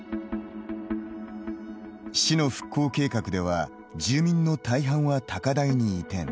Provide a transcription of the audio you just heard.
市の復興計画では住民の大半は高台に移転。